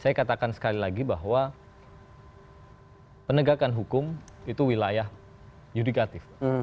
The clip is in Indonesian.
saya katakan sekali lagi bahwa penegakan hukum itu wilayah yudikatif